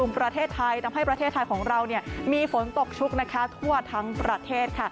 ประเทศไทยทำให้ประเทศไทยของเรามีฝนตกชุกทั่วทั้งประเทศ